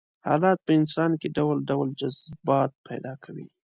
حالات په انسان کې ډول ډول جذبات پيدا کوي.